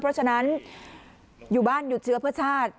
เพราะฉะนั้นอยู่บ้านหยุดเชื้อเพื่อชาติ